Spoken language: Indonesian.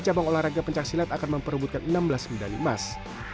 cabang olahraga pencaksilat akan memperebutkan enam belas medali emas